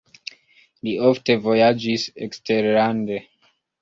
Li ofte vojaĝis eksterlande.